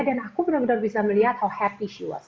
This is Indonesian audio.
dan aku benar benar bisa melihat how happy she was